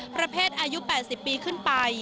ประเภทอายุ๘๐ปีขึ้นไป